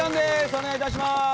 お願いいたします。